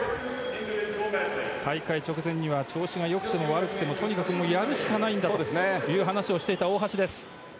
大会直前には調子が良くても悪くてもとにかくやるしかないんだという話をしていた大橋です。